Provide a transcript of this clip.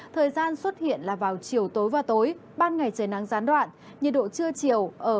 thời gian xuất hiện là vào chiều tối và tối ban ngày trời nắng gián đoạn nhiệt độ trưa chiều